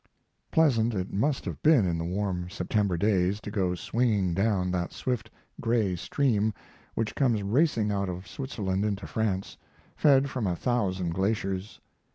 Pleasant it must have been in the warm September days to go swinging down that swift, gray stream which comes racing out of Switzerland into France, fed from a thousand glaciers.